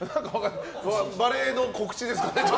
バレーの告知ですかね？